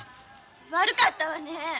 悪かったわねえ。